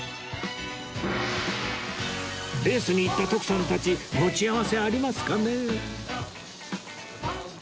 レースに行った徳さんたち持ち合わせありますかね？